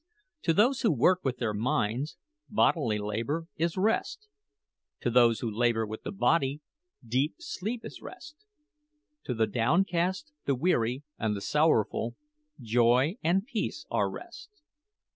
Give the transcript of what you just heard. To those who work with their minds, bodily labour is rest; to those who labour with the body, deep sleep is rest; to the downcast, the weary, and the sorrowful, joy and peace are rest.